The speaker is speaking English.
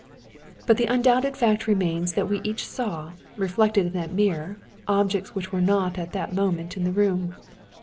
"But the undoubted fact remains that we each saw, reflected in that mirror, objects which were not at that moment in the room.